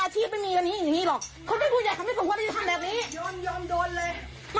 ถ้าเอียดอาหารว่าคนอื่นมาส่งคนอื่นทำแบบนี้ไหม